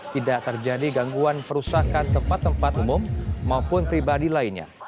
tidak terjadi gangguan perusakan tempat tempat umum maupun pribadi lainnya